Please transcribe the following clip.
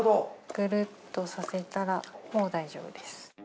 ぐるっとさせたらもう大丈夫です。